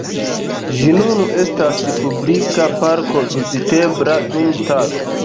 Ĝi nun estas publika parko vizitebla dum tago.